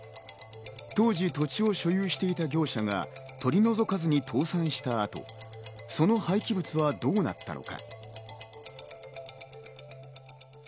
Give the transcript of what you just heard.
当時土地を所有していた業者が取り除かずに倒産したあとその廃棄物はどうなったのか。